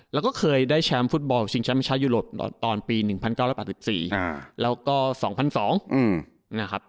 แล้วก็เคยได้แชมป์ฟุตบอลชิงแชมป์ชาวยุโรปตอนปี๑๙๘๔แล้วก็๒๐๐๒นะครับ